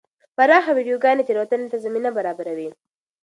پراخه ویډیوګانې تېروتنې ته زمینه برابروي.